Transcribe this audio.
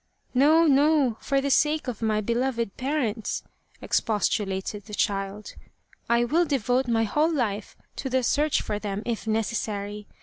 " No, no, for the sake of my beloved parents," expostulated the child, " I will devote my whole life to the search for them, if necessary.